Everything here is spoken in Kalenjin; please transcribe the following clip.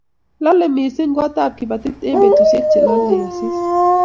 lolei mising' kootab kibatit eng' betusiek che lolei asis